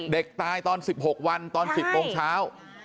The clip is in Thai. เด็กตายตอน๑๖วันตอน๑๐โมงเช้า